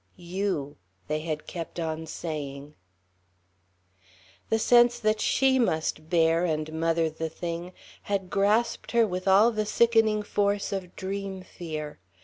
"You," they had kept on saying. The sense that she must bear and mother the thing had grasped her with all the sickening force of dream fear.